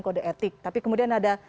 kode etik tapi kemudian ada